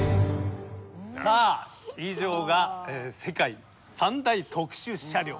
さあ以上が世界三大特殊車両。